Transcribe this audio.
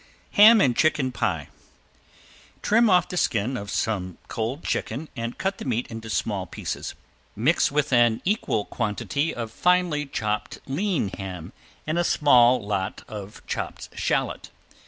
~HAM AND CHICKEN PIE~ Trim off the skin of some cold chicken and cut the meat into small pieces. Mix with an equal quantity of finely chopped lean ham and a small lot of chopped shallot.